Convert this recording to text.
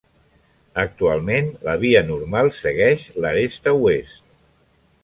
Actualment, la via normal segueix l'aresta oest.